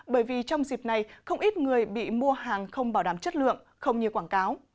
bởi vì trong dịp này không ít người bị mua hàng không bảo đảm chất lượng không như quảng cáo